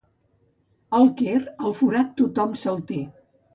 Al Quer, el forat tothom se'l té.